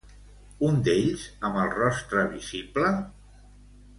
Un d'ells amb el rostre visible?